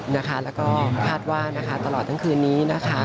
แล้วก็คาดว่านะคะตลอดทั้งคืนนี้นะคะ